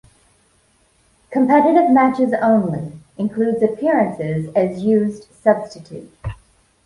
Competitive matches only, includes appearances as used substitute.